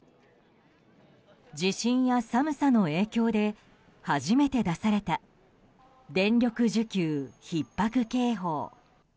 地震や寒さの影響で初めて出された電力需給ひっ迫警報。